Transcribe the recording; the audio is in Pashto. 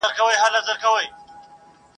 پرون د چا وه، نن د چا، سبا د چا په نصیب؟ !.